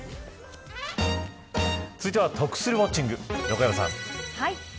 続いては得するウォッチング横山さん。